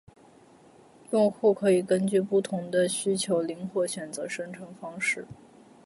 用户可以根据不同的需求灵活选择生成方式